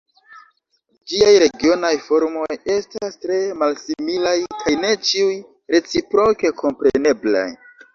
Ĝiaj regionaj formoj estas tre malsimilaj kaj ne ĉiuj reciproke kompreneblaj.